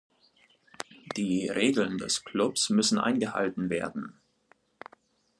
Die Regeln des Klubs müssen eingehalten werden.